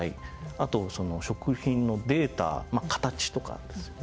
あとその食品のデータまあ形とかですよね。